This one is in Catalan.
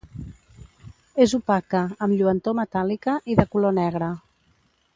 És opaca, amb lluentor metàl·lica i de color negre.